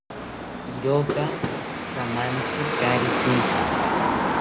Iroka kamantzi kaari shintzi